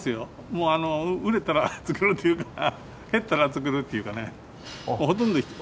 もう売れたら造るっていうか減ったら造るっていうかね。